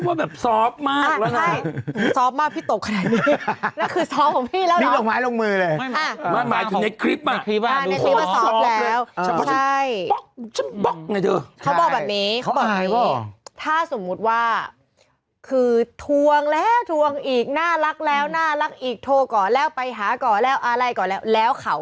ถ้าสมมุติว่าคือทวงแล้วอีกน่ารักแล้วอีกโทรก่อนแล้วไปหาก่อนแล้วอะไรกดแล่วแล้วเขามายอมคืนใช่มั้ยฮะไม่มีไม่หนีไม่จ่ายใดก็ตาม